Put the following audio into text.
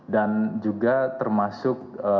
dan juga termasuk